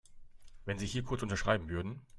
Wenn Sie hier kurz unterschreiben würden.